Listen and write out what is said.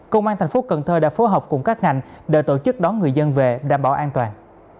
công an thành phố cần thơ đã phối hợp cùng các ngành để tổ chức đón người dân về đảm bảo an toàn